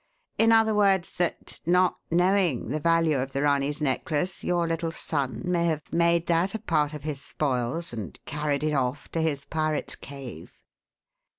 In other words, that, not knowing the value of the Ranee's necklace, your little son may have made that a part of his spoils and carried it off to his pirates' cave?"